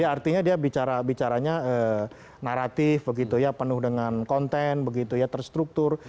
artinya dia bicaranya naratif begitu ya penuh dengan konten begitu ya terstruktur